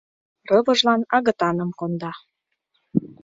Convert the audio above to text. Рывыжлан агытаным конда.